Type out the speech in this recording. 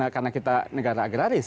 karena kita negara agraris